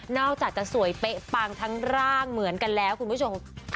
อกจากจะสวยเป๊ะปังทั้งร่างเหมือนกันแล้วคุณผู้ชม